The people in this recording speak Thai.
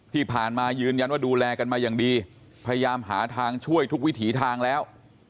ที่ผ่านมายืนยันว่าดูแลกันมาอย่างดีพยายามหาทางช่วยทุกวิถีทางแล้ว